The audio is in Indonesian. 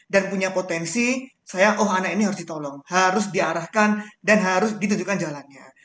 dan punya potensi saya oh anak ini harus ditolong harus diarahkan dan harus ditunjukkan jalannya